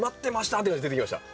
って感じで出てきました。